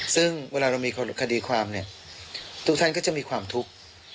ซึ่งเวลาเรามีคดีความเนี่ยทุกท่านก็จะมีความทุกข์